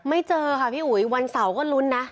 เจอค่ะพี่อุ๋ยวันเสาร์ก็ลุ้นนะ